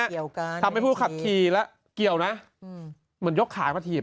เกี่ยวกันทำให้ผู้ขับขี่แล้วเกี่ยวนะอืมเหมือนยกขามาถีบ